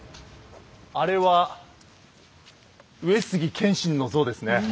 あれは上杉謙信の像ですね。